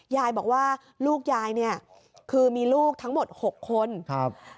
ยายบอกว่าลูกยายเนี่ยคือมีลูกทั้งหมดหกคนครับ